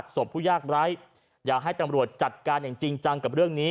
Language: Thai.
ผู้ยากไร้อยากให้ตำรวจจัดการอย่างจริงจังกับเรื่องนี้